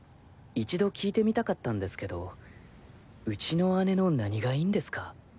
一度聞いてみたかったんですけどうちの姉の何がいいんですか？